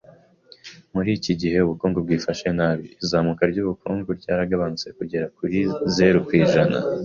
Muri iki gihe ubukungu bwifashe nabi, izamuka ry’ubukungu ryaragabanutse kugera kuri zeru ku ijana.